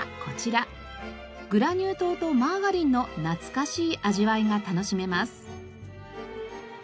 グラニュー糖とマーガリンの懐かしい味わいが楽しめます。